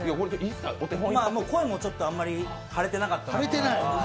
声もあんまり張れてなかったので。